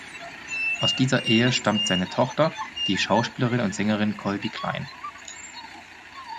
Aus dieser Ehe stammt seine Tochter, die Schauspielerin und Sängerin Colby Kline.